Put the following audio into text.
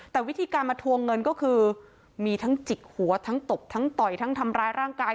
แต่วิธีการมาทวงเงินก็คือมีทั้งจิกหัวทั้งตบทั้งต่อยทั้งทำร้ายร่างกาย